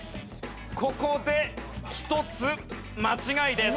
ここで１つ間違いです。